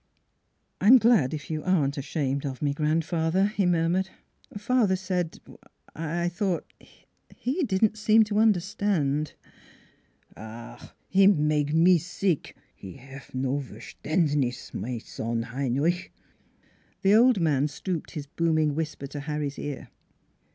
" I I'm glad if you aren't ashamed of me, grandfather," he murmured. " Father said I I thought he didn't seem to understand." "Ach! he mage me sick: he haf no V 'er st andniss my son Heinrich." The old man stooped his booming whisper to Harry's ear.